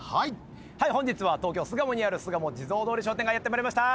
本日は東京巣鴨にある巣鴨地蔵通り商店街へやって参りました。